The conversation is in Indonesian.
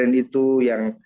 tapi ya kita bisa menghukum